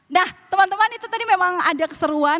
nah teman teman itu tadi memang ada keseruan